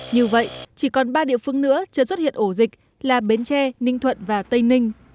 như vậy chỉ còn ba địa phương nữa chưa xuất hiện ổ dịch là bến tre ninh thuận và tây ninh